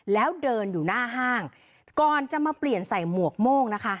แล้วเดินอยู่หน้าห้างก่อนจะมาเปลี่ยนใส่หมวกโม่งนะคะ